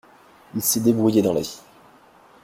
Il s’est débrouillé dans la vie.